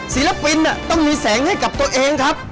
ศิลปินต้องมีแสงให้กับตัวเองครับ